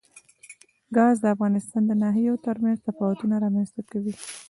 ګاز د افغانستان د ناحیو ترمنځ تفاوتونه رامنځ ته کوي.